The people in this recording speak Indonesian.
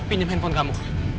pinjam handphone kamu